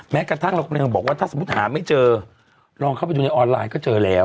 แม้กระทั่งเรากำลังบอกว่าถ้าสมมุติหาไม่เจอลองเข้าไปดูในออนไลน์ก็เจอแล้ว